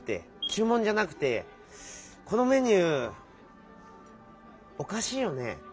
ちゅう文じゃなくてこのメニューおかしいよね？